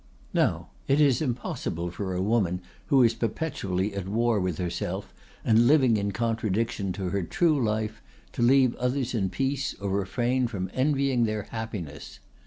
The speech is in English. Now it is impossible for a woman who is perpetually at war with herself and living in contradiction to her true life, to leave others in peace or refrain from envying their happiness.